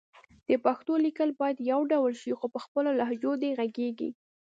د پښتو لیکل باید يو ډول شي خو په خپلو لهجو دې غږېږي